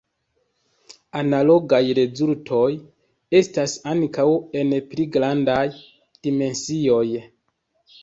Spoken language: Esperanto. Analogaj rezultoj estas ankaŭ en pli grandaj dimensioj.